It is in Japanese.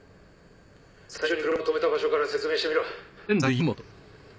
最初に車を止めた場所から説明してみろ。